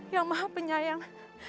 yang maha penyayang